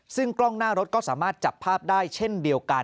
ซึ่งกล้องหน้ารถก็สามารถจับภาพได้เช่นเดียวกัน